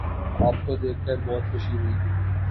آپ کو دیکھ کر بہت خوشی ہوئی